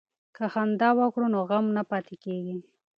که خندا وکړو نو غم نه پاتې کیږي.